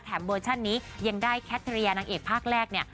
เวอร์ชันนี้ยังได้แคทริยานางเอกภาคแรกเนี่ย